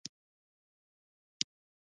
د چارمغز ګل د څه لپاره وکاروم؟